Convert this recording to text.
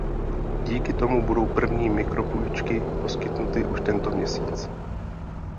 Díky tomu budou první mikropůjčky poskytnuty už tento měsíc.